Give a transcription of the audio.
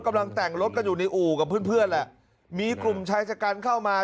กำลังแต่งรถกันอยู่ในอู่กับเพื่อนเพื่อนแหละมีกลุ่มชายชะกันเข้ามา